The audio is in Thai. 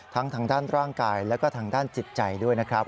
ทางด้านร่างกายแล้วก็ทางด้านจิตใจด้วยนะครับ